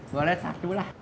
boleh satu lah